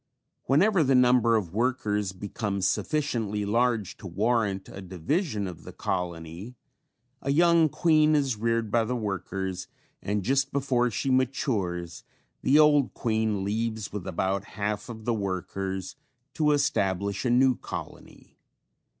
Whenever the number of workers becomes sufficiently large to warrant a division of the colony, a young queen is reared by the workers and just before she matures, the old queen leaves with about half of the workers to establish a new colony.